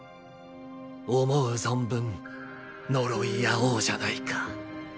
思う存分呪い合おうじゃないか。